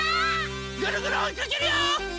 ぐるぐるおいかけるよ！